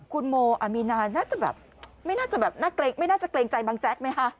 คุณโมอามีนาน่าจะแบบไม่น่าจะแบบน่าเกรงไม่น่าจะเกรงใจบังแจ๊กไหมคะ